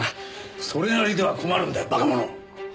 それなりでは困るんだよ馬鹿者！